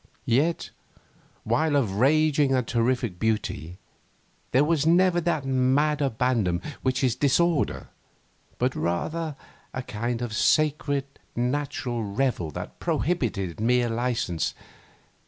Yet, while of raging and terrific beauty, there was never that mad abandon which is disorder; but rather a kind of sacred natural revel that prohibited mere licence.